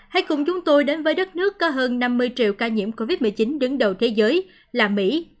hãy cùng chúng tôi đến với đất nước có hơn năm mươi triệu ca nhiễm covid một mươi chín đứng đầu thế giới là mỹ